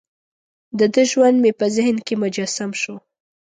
دده ژوند مې په ذهن کې مجسم شو.